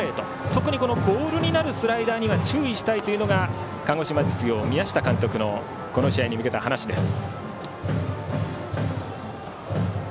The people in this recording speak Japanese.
特にボールになるスライダーには注意したいというのが鹿児島実業、宮下監督のこの試合に向けた話です。